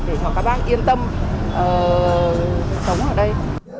để cho các bác yên tâm sống ở đây